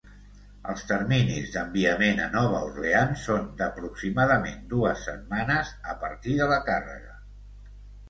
Els terminis d'enviament a Nova Orleans són d'aproximadament dues setmanes a partir de la càrrega.